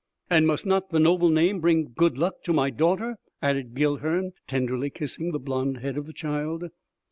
"And must not the noble name bring good luck to my daughter!" added Guilhern tenderly kissing the blonde head of the child.